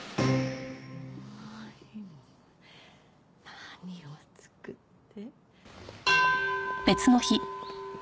何を作って。